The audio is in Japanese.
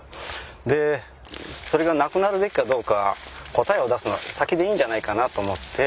でそれがなくなるべきかどうか答えを出すのは先でいいんじゃないかなと思って。